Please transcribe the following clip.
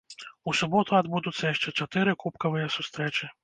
У суботу адбудуцца яшчэ чатыры кубкавыя сустрэчы.